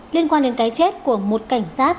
liên quan đến cái chết của một cảnh sát